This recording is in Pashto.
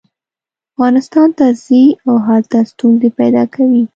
افغانستان ته ځي او هلته ستونزې پیدا کوي.